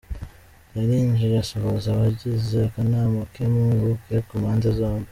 Yarinjiye asuhuza abagize akanama k’impuguke ku mpande zombi.